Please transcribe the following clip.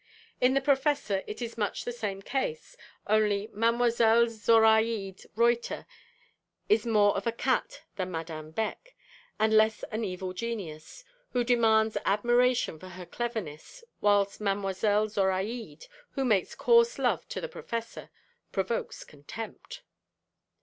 In the Professor it is much the same case, only Mlle. Zoraïde Reuter is more of a cat than Madame Beck, and less an evil genius, who demands admiration for her cleverness whilst Mlle. Zoraïde, who makes coarse love to the Professor, provokes contempt.